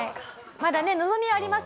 まだね望みはあります。